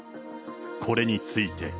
これについて。